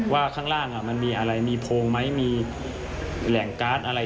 ข้างล่างมันมีอะไรมีโพงไหมมีแหล่งการ์ดอะไร